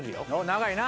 長いな！